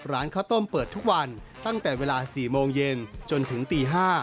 ร้านข้าวต้มเปิดทุกวันตั้งแต่เวลา๔โมงเย็นจนถึงตี๕